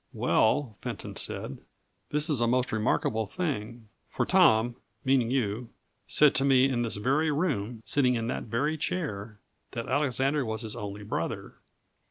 'Well,' Fenton said, 'this is a most remarkable thing; for Tom,' meaning you, 'said to me in this very room, sitting in that very chair, that Alexander was his only brother.'